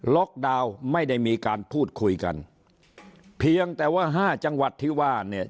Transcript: ล็อกดาวน์ไม่ได้มีการพูดคุยกันเพียงแต่ว่าห้าจังหวัดที่ว่าเนี่ย